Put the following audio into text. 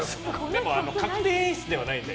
でも確定演出ではないんで。